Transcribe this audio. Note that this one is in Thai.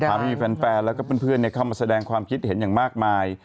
ที่มีแฟนแล้วก็เพื่อนเข้ามาแสดงความคิดเห็นอย่างมากมาย